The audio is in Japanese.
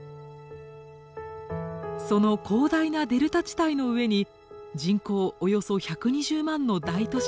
その広大なデルタ地帯の上に人口およそ１２０万の大都市